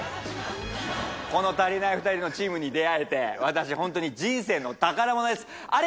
このたりないふたりのチームに出会えて、私本当に人生の宝物です。